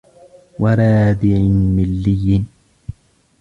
وَرَادِعٍ مَلِيٍّ